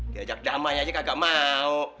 diajak damai aja kak gak mau